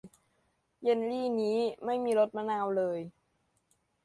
เยลลีนี้ไม่มีรสมะนาวเลย